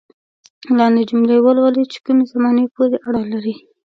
لاندې جملې ولولئ چې کومې زمانې پورې اړه لري.